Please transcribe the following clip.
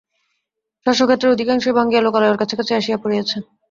শস্যক্ষেত্রের অধিকাংশই ভাঙিয়া লোকালয়ের কাছাকাছি আসিয়া পড়িয়াছে।